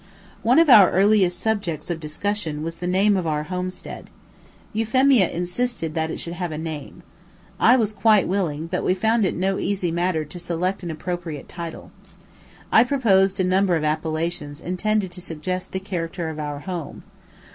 One of our earliest subjects of discussion was the name of our homestead. Euphemia insisted that it should have a name. I was quite willing, but we found it no easy matter to select an appropriate title. I proposed a number of appellations intended to suggest the character of our home.